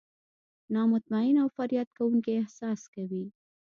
نا مطمئن او فریاد کوونکي احساس کوي.